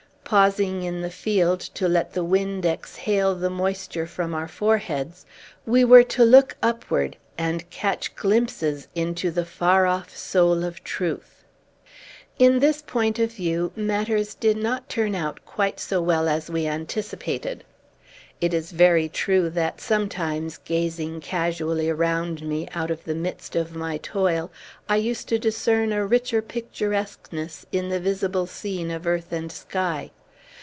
Pausing in the field, to let the wind exhale the moisture from our foreheads, we were to look upward, and catch glimpses into the far off soul of truth. In this point of view, matters did not turn out quite so well as we anticipated. It is very true that, sometimes, gazing casually around me, out of the midst of my toil, I used to discern a richer picturesqueness in the visible scene of earth and sky.